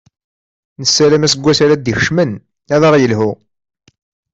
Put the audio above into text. Nessaram aseggas ara d-ikecmen ad aɣ-yelhu.